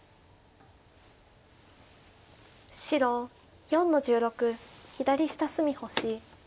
白４の十六左下隅星。